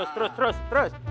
terus terus terus